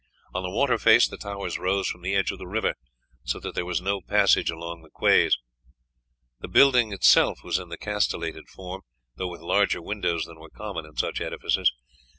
On the water face the towers rose from the edge of the river, so that there was no passage along the quays. The building itself was in the castellated form, though with larger windows than were common in such edifices.